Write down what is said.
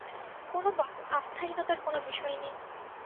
কোনো দলের আস্থাহীনতার কোনো বিষয় নেই।